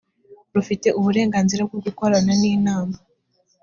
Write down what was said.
rufite uburenganzira bwo gukorana n inama